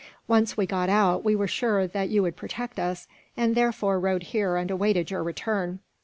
Once we got out, we were sure that you would protect us, and therefore rode here and awaited your return."